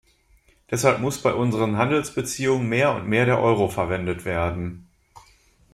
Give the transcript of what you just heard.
Deshalb muss bei unseren Handelsbeziehungen mehr und mehr der Euro verwendet werden.